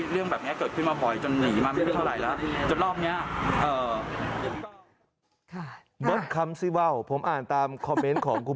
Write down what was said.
เรื่องแบบนี้เกิดขึ้นมาบ่อยจนหนีมาไม่ได้เท่าไหร่แล้ว